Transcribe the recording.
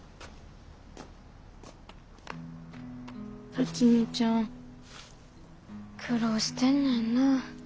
辰美ちゃん苦労してんねんな。